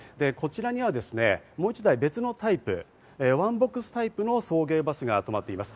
こちらにはもう１台、別のタイプ、ワンボックスタイプの送迎バスが止まっています。